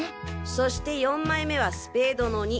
そして４枚目はスペードの２。